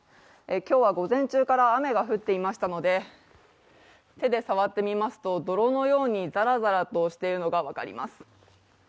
今日は午前中から雨が降っていましたので、手で触ってみますと、泥のようにザラザラとしているのが分かります。